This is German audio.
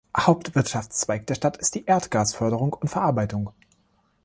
Hauptwirtschaftszweig der Stadt ist die Erdgasförderung und -verarbeitung.